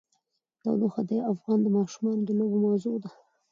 تودوخه د افغان ماشومانو د لوبو موضوع ده.